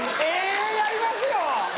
延々やりますよ！